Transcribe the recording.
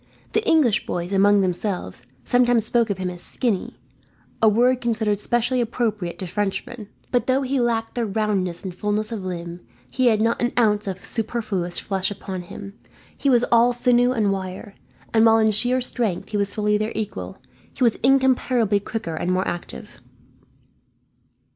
The English boys, among themselves, sometimes spoke of him as "skinny," a word considered specially appropriate to Frenchmen; but though he lacked their roundness and fulness of limb, and had not an ounce of superfluous flesh about him, he was all sinew and wire; and while in sheer strength he was fully their equal, he was incomparably quicker and more active.